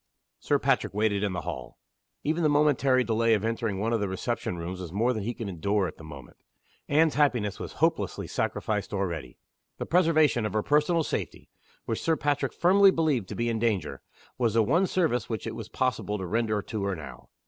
Sir Patrick waited in the hall. Even the momentary delay of entering one of the reception rooms was more than he could endure at that moment. Anne's happiness was hopelessly sacrificed already. The preservation of her personal safety which Sir Patrick firmly believed to be in danger was the one service which it was possible to render to her now.